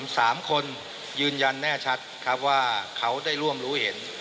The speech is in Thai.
สามคนยืนยันแน่ชัดครับว่าเขาได้ร่วมรู้เห็น